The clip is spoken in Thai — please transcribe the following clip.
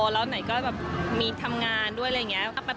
แล้วไหนก็แบบมีทำงานด้วยอะไรอย่างนี้